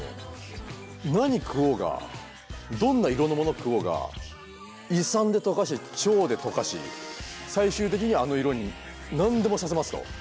何食おうがどんな色のもの食おうが胃酸で溶かして腸で溶かし最終的にはあの色に何でもさせますと。